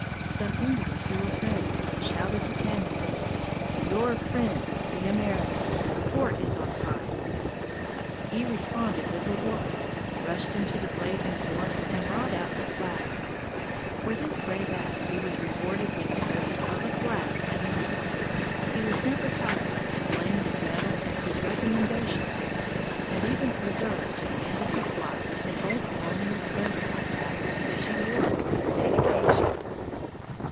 Some Indians who were present shouted to Tamahay, "Your friends', the Americans', fort is on fire!" He responded with a war whoop, rushed into the blazing fort, and brought out the flag. For this brave act he was rewarded with a present of a flag and medal. He was never tired of displaying this medal and his recommendation papers, and even preserved to the end of his life an old colonial stovepipe hat, which he wore upon state occasions.